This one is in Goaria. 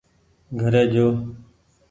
گهري جو